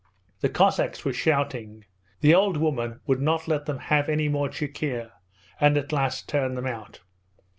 The Cossacks were shouting. The old woman would not let them have any more chikhir, and at last turned them out.